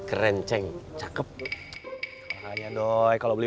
untui yang railroad aja saya